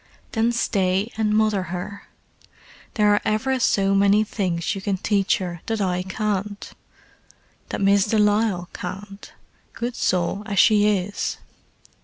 "Then stay and mother her. There are ever so many things you can teach her that I can't: that Miss de Lisle can't, good soul as she is.